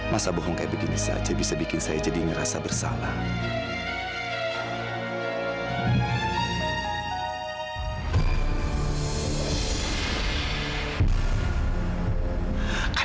masa bohong kayak begini saja bisa bikin saya jadi ngerasa bersalah